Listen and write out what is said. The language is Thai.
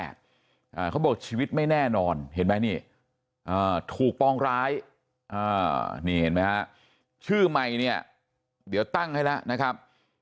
เขาบอกชีวิตไม่แน่นอนเห็นไหมนี่ถูกปองร้ายอ่านี่เห็นไหมฮะชื่อใหม่เนี่ยเดี๋ยวตั้งให้แล้วนะครับ